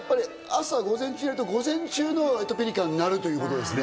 午前中やると午前中の『エトピリカ』になるってことですね。